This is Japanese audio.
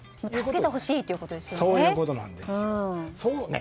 助けてほしいということですよね。